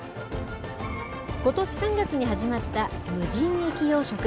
ことし３月に始まった無人駅養殖。